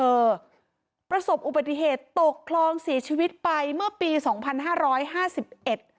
ประสบอุบัติเหตุตกคลองเสียชีวิตไปเมื่อปีสองพันห้าร้อยห้าสิบเอ็ด